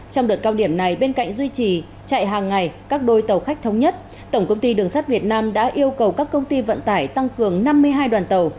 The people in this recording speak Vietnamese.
trong đợt cao điểm này bên cạnh duy trì chạy hàng ngày các đôi tàu khách thống nhất tổng công ty đường sắt việt nam đã yêu cầu các công ty vận tải tăng cường năm mươi hai đoàn tàu